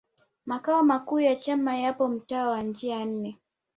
makao makuu ya chama yapo mtaa wa njia nne